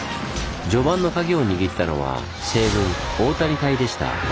序盤の鍵を握ったのは西軍大谷隊でした。